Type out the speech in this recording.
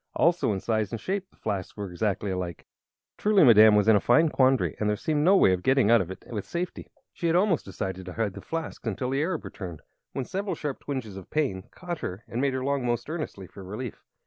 Also in size and shape the flasks were exactly alike. Truly Madame was in a fine quandary, and there seemed no way of getting out of it with safety. She had almost decided to hide both flasks until the Arab returned, when several sharp twinges of pain caught her and made her long most earnestly for relief.